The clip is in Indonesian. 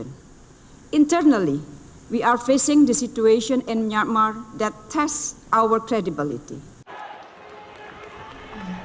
di dalamnya kita menghadapi situasi di myanmar yang mencoba kredibilitas kita